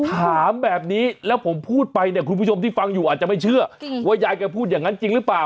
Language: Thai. ถามแบบนี้แล้วผมพูดไปเนี่ยคุณผู้ชมที่ฟังอยู่อาจจะไม่เชื่อว่ายายแกพูดอย่างนั้นจริงหรือเปล่า